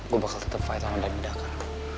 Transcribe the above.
gue bakal tetep fight sama dani d'akkar